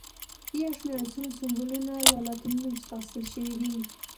د یو شمېر عنصرونو سمبولونه له لاتیني نوم څخه اخیستل شوي دي.